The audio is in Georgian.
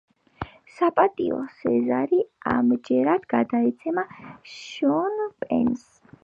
საპატიო სეზარი ამჯერად გადაეცემა შონ პენს.